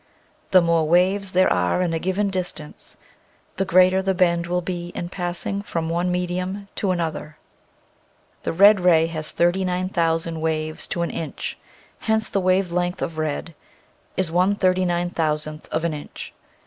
The more waves there are in a given distance the greater the bend will be in passing from one medium to an other. The red ray has 39,000 waves to an inch, hence the wave length of red is one thirty nine thousandth of an inch.